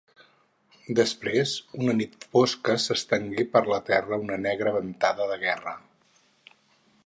Després, una nit fosca s'estengué per la terra una negra ventada de guerra.